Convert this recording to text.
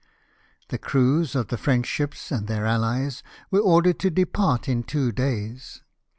The crews of the French ships and their allies were ordered to depart in two days.